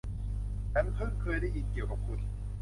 ฉันพึ่งเคยได้ยินเกี่ยวกับคุณ